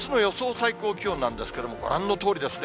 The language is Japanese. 最高気温なんですが、ご覧のとおりですね。